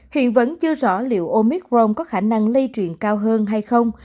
hiện vẫn chưa rõ liệu omicron có khả năng lây truyền cao hơn hay không